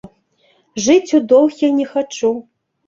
Жыць у доўг я не хачу.